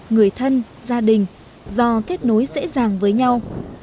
người thân gia đình do kết nối dễ dàng với nhau